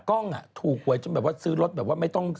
กล้องถูกหวยจนแบบว่าซื้อรถแบบว่าไม่ต้อง